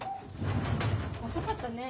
遅かったね。